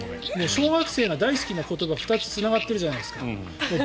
小学生が大好きな言葉が２つつながっているじゃないですか。